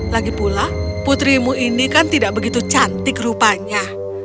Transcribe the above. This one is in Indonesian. lagi pula putrimu ini kan tidak begitu cantik rupanya